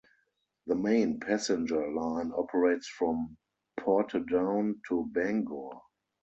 The main passenger line operates from Portadown to Bangor.